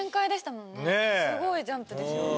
すごいジャンプですよ